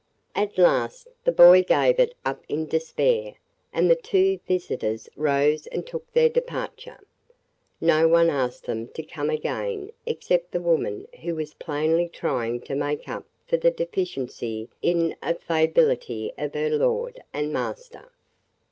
At last the boy gave it up in despair and the two visitors rose and took their departure. No one asked them to come again except the woman who was plainly trying to make up for the deficiency in affability of her lord and master.